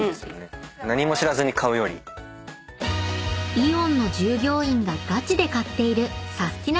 ［イオンの従業員がガチで買っているサスティな！